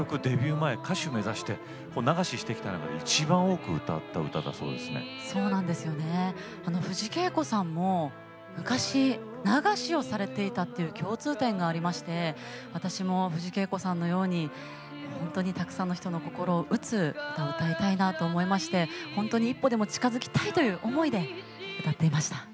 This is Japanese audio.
前歌手を目指して流しをしてきた中でいちばん多く歌った曲だそう藤圭子さんも昔流しをされていたという共通点がありまして私も藤圭子さんのように本当にたくさんの人の心を打つ歌を歌いたいなと思いまして一歩でも近づきたいという思いで歌っていました。